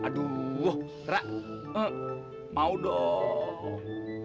aduh ra mau dong